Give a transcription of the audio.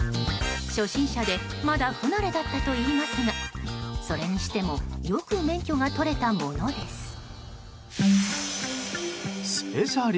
初心者でまだ不慣れだったといいますがそれにしてもよく免許が取れたものです。